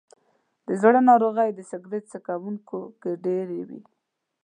د زړه ناروغۍ د سګرټ څکونکو کې ډېرې وي.